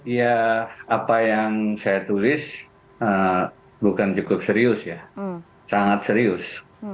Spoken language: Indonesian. ya apa yang saya tulis bukan cukup serius ya sangat serius